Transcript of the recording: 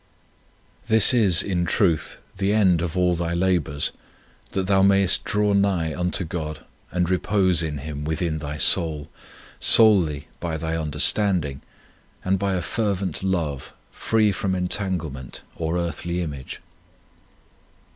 This is, in truth, the end of all thy labours, that thou mayest draw nigh unto God and repose in Him within thy soul, solely by thy understanding and by a fervent love, free from entanglement or earthly image.